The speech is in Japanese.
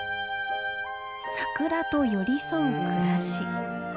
サクラと寄り添う暮らし。